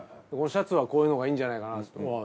シャツはこういうのがいいんじゃないかなって。